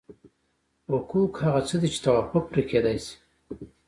حقوق هغه څه دي چې توافق پرې کېدای شي.